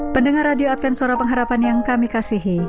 pendengar radio advent suara pengharapan yang kami kasihi